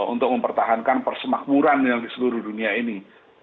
untuk mempertahankan persemakmuran yang di seluruh dunia ini